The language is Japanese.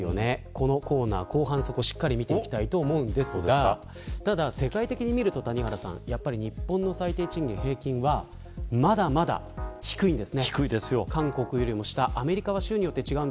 このコーナー後半、そこしっかり見ていきたいと思うんですがただ世界的に見ると谷原さん日本の最低賃金の平均はまだまだ低いんですね。